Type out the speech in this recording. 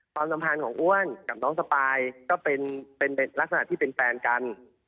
ความสัมพันธ์ของอ้วนกับน้องสปายก็เป็นลักษณะที่เป็นแฟนกัน